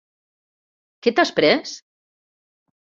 Què t'has pres?